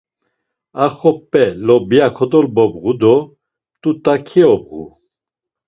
A xop̌e lobya kodolobğu do mt̆ut̆a keyobğu.